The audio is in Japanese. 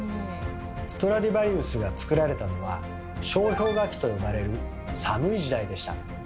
ストラディヴァリウスが作られたのは「小氷河期」と呼ばれる寒い時代でした。